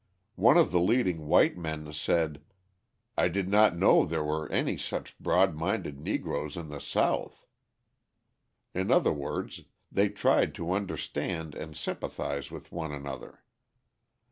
One of the leading white men said: "I did not know there were any such broad minded Negroes in the South." In other words, they tried to understand and sympathise with one another.